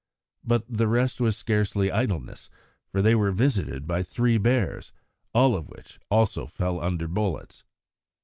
But the rest was scarcely idleness, for they were visited by three bears, all of which also fell under bullets.